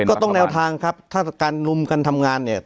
ก็ต้องแนวทางครับถ้าการลุมกันทำงานเนี่ย